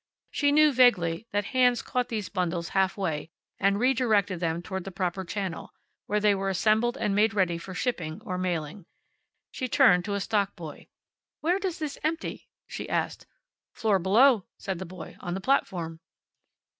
She knew, vaguely, that hands caught these bundles halfway, and redirected them toward the proper channel, where they were assembled and made ready for shipping or mailing. She turned to a stock boy. "Where does this empty?" she asked. "Floor below," said the boy, "on the platform."